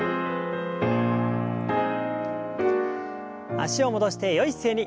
脚を戻してよい姿勢に。